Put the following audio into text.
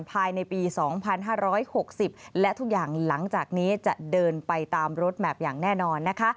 ภายในปี๒๕๖๐และทุกอย่างหลังจากนี้จะเดินไปตามรถแมพอย่างแน่นอนนะคะ